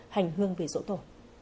hành hương về dỗ tổ